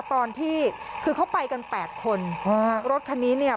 ตอนที่คือเขาไปกันแปดคนฮะรถคันนี้เนี่ย